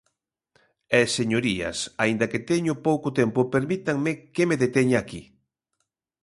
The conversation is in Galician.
E, señorías, aínda que teño pouco tempo, permítanme que me deteña aquí.